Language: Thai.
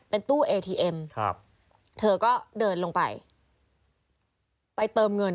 ตู้เอทีเอ็มครับเธอก็เดินลงไปไปเติมเงิน